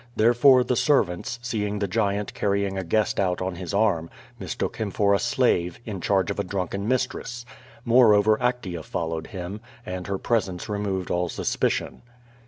Therefore, the servants, seeing the giant carrying a guest out on his arm, mistook him for a slave, in charge of a drunken mistress. Moreover, Actea followed him, and her presence removed all suspicion.